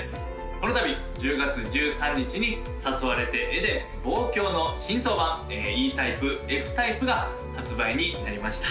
この度１０月１３日に「誘われてエデン／望郷」の新装盤ＥタイプＦタイプが発売になりました